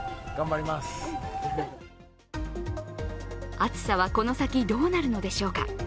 暑さはこの先どうなるのでしょうか。